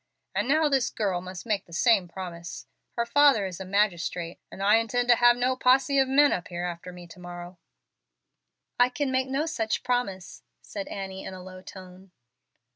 And now this girl must make the same promise. Her father is a magistrate, and I intend to have no posse of men up here after me to morrow." "I can make no such promise," said Annie, in a low tone.